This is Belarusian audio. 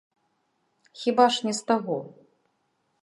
Хіба ж не з таго?